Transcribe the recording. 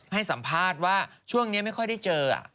ให้สัมภาษณ์ว่าช่วงนี้ไม่ค่อยได้เจอ